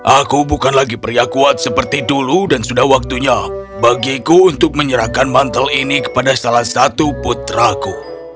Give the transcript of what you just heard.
aku bukan lagi pria kuat seperti dulu dan sudah waktunya bagiku untuk menyerahkan mantel ini kepada salah satu putraku